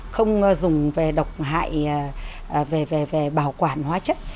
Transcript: không dùng về độc hại về bảo quản hóa chất